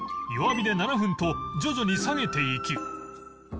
弱火で７分と徐々に下げていき